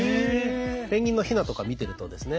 ペンギンのヒナとか見てるとですね